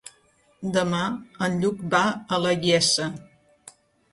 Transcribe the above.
Demà en Lluc va a la Iessa.